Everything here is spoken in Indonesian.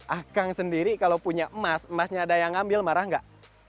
ah kang sendiri kalau punya emas emasnya ada yang mengambil marah tidak